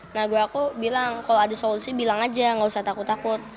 nah gue aku bilang kalau ada solusi bilang aja gak usah takut takut